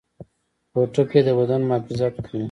پوټکی د بدن محافظت کوي